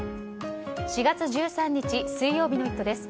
４月１３日、水曜日の「イット！」です。